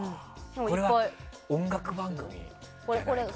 これは音楽番組だよね。